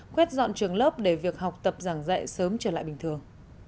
quét dọn trường lớp để việc học tập giảng dạy sớm trở lại bình thường